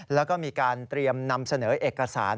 แล้วก็มีการเตรียมนำเสนอเอกสาร